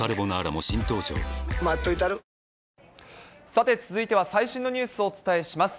さて、続いては最新のニュースをお伝えします。